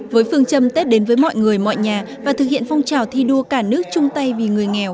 với phương châm tết đến với mọi người mọi nhà và thực hiện phong trào thi đua cả nước chung tay vì người nghèo